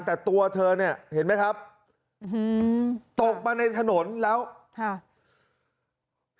แต่ตัวเธอเนี่ยเห็นไหมครับตกมาในถนนแล้วค่ะ